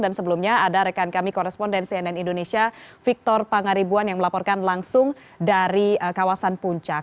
sebelumnya ada rekan kami korespondensi nn indonesia victor pangaribuan yang melaporkan langsung dari kawasan puncak